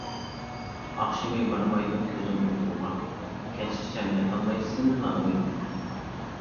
ئاخشىمى بارمايدۇ كۆزۈم ئۇيقۇغا، كەچكىچە ياتالماي سېنىلا ئويلاپ.